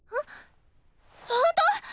ほんと！？